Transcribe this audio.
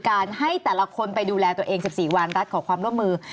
ให้แต่ละคนไปดูแลตัวเอง๑๔วันรัฐขอความร่วมมือ